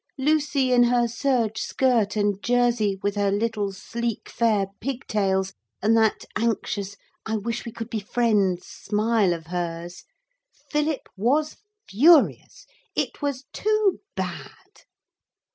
Lucy, in her serge skirt and jersey, with her little sleek fair pig tails, and that anxious 'I wish we could be friends' smile of hers. Philip was furious. It was too bad.